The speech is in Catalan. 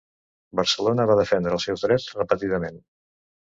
Barcelona va defendre els seus drets repetidament.